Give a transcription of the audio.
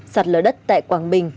sạt lở đất tại quảng bình